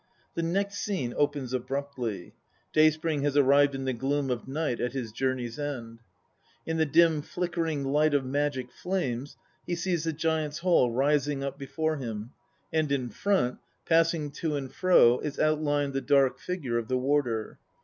The next scene opens abruptly ; Day spring has arrived in the gloom of night at his journey's end. In the dim flickering light of magic flames he sees the giants' hall rising up before him, and in front, passing to and fro, is outlined the dark figure of the warder.